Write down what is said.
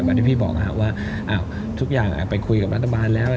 ที่พี่บอกว่าทุกอย่างไปคุยกับรัฐบาลแล้ว